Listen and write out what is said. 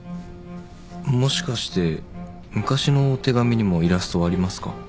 もしかして昔の手紙にもイラストはありますか？